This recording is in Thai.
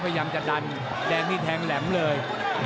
พยายามจะดันแดงนี่แทงแหลมเลย